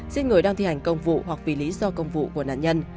giết người đang thi hành công vụ hoặc vì lý do công vụ của nạn nhân